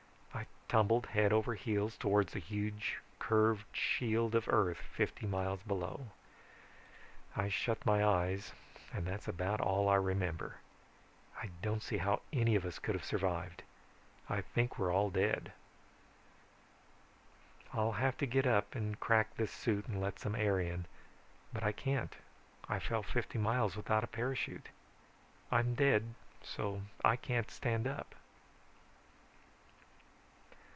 I tumbled head over heels towards the huge curved shield of earth fifty miles below. I shut my eyes and that's about all I remember. I don't see how any of us could have survived. I think we're all dead. "I'll have to get up and crack this suit and let some air in. But I can't. I fell fifty miles without a parachute. I'm dead so I can't stand up."